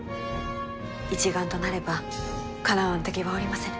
一丸となればかなわぬ敵はおりませぬ。